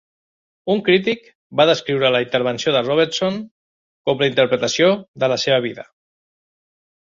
Un crític va descriure la intervenció de Robertson com "la interpretació de la seva vida".